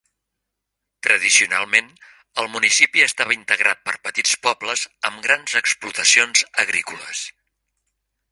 Tradicionalment, el municipi estava integrat per petits pobles amb grans explotacions agrícoles.